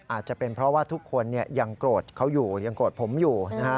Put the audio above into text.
อาจจะเป็นเพราะว่าทุกคนยังโกรธเขาอยู่ยังโกรธผมอยู่นะฮะ